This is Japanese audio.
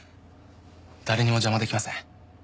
誰にも邪魔できません。